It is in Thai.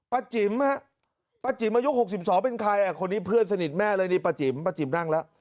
จิ๋มฮะป้าจิ๋มอายุ๖๒เป็นใครคนนี้เพื่อนสนิทแม่เลยนี่ป้าจิ๋มป้าจิ๋มนั่งแล้ว